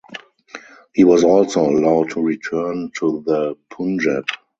He was also allowed to return to the Punjab.